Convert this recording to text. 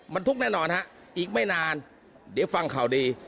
มันทุกข์แน่นอนฮะอีกไม่นานเดี๋ยวฟังข่าวดี